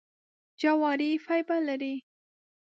جواري فایبر لري .